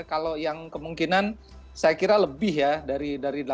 kalau yang kemungkinan saya kira lebih ya dari delapan